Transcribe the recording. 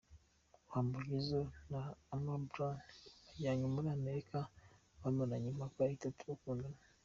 Humble Jizzo na Amy Blauman bajyanye muri Amerika bamaranye imyaka itatu bakundana.